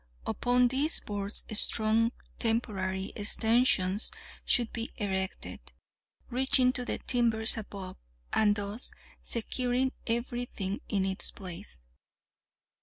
Upon these boards strong temporary stanchions should be erected, reaching to the timbers above, and thus securing every thing in its place.